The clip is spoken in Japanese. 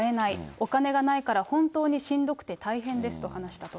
お金がないから本当にしんどくて大変ですと話したと。